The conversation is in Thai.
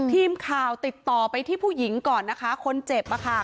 ทีมข่าวติดต่อไปที่ผู้หญิงก่อนนะคะคนเจ็บ